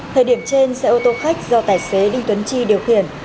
thời điểm trên xe ô tô khách do tài xế đinh tuấn chi điều khiển